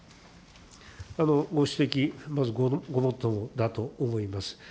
ご指摘、まず、ごもっともだと思います。